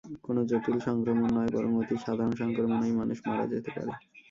কোনো জটিল সংক্রমণ নয়, বরং অতি সাধারণ সংক্রমণেই মানুষ মারা যেতে পারে।